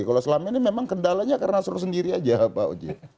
kalau selama ini memang kendalanya karena suruh sendiri aja pak uji